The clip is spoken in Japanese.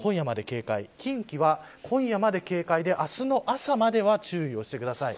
近畿は今夜まで警戒で明日の朝までは注意してください。